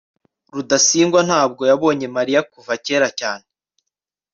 rudasingwa ntabwo yabonye mariya kuva kera cyane